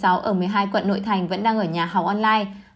ở một mươi hai quận nội thành vẫn đang ở nhà hào online